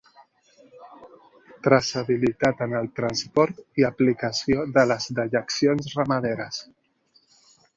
Traçabilitat en el transport i aplicació de les dejeccions ramaderes.